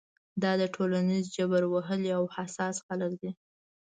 دا د ټولنیز جبر وهلي او حساس خلک دي.